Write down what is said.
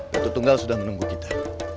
batu tunggal sudah menunggu kita